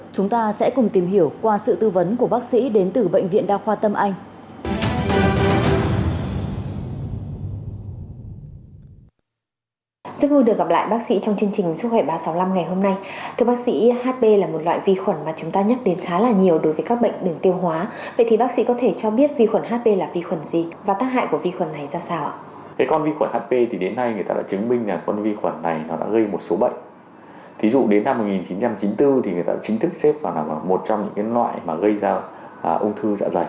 chúng ta sẽ cùng tìm hiểu qua sự tư vấn của bác sĩ đến từ bệnh viện đa khoa tâm anh